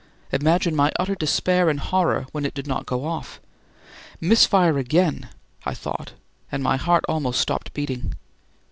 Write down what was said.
Imagine my utter despair and horror when it did not go off! "Misfire again," I thought, and my heart almost stopped beating.